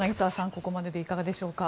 ここまででいかがでしょうか。